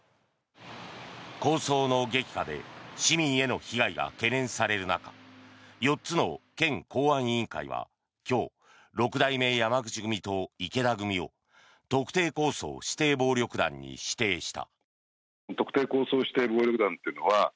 抗争の激化で市民への被害が懸念される中４つの県公安委員会は今日、六代目山口組と池田組を特定抗争指定暴力団に指定した。